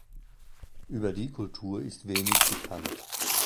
Über die Kultur ist wenig bekannt.